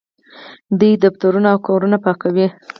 دوی دفترونه او کورونه پاکوي.